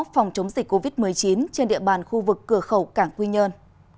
phòng chống dịch covid một mươi chín trên địa bàn khu vực cửa khẩu cảng quy nhơn